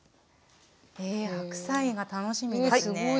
え白菜が楽しみですね！